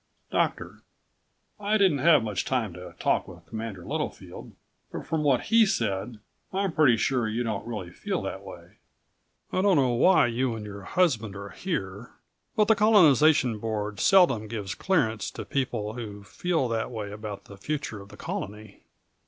Doctor: I didn't have much time to talk with Commander Littlefield. But from what he said I'm pretty sure you don't really feel that way. I don't know why you and your husband are here, but the Colonization Board seldom gives clearance to people who feel that way about the future of the Colony.